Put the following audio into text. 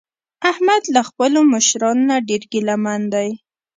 احمد له خپلو مشرانو نه ډېر ګله من دی.